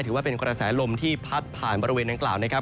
ถือว่าเป็นกระแสลมที่พัดผ่านบริเวณดังกล่าวนะครับ